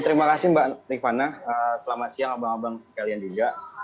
terima kasih mbak rifana selamat siang abang abang sekalian juga